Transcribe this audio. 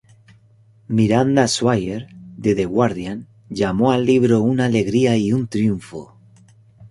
Miranda Sawyer de "The Guardian" llamó al libro "una alegría" y "un triunfo".